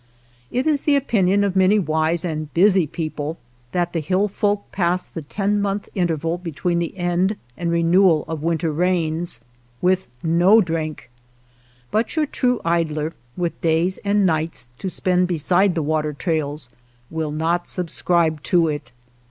It is the opinion of many wise and busy people that the hill folk pass the ten month interval between the end and renewal of winter rains, with no drink ; but your true idler, with days and nights to spend beside the water trails, will not subscribe to it.